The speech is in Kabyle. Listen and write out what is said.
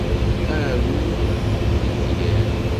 Arum tifyar